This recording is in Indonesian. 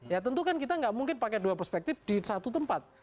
ya tentu kan kita nggak mungkin pakai dua perspektif di satu tempat